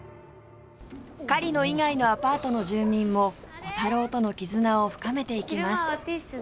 狩野以外のアパートの住民もコタローとの絆を深めていきます